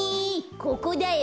ここだよ